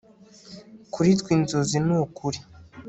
kuri twe inzozi nukuri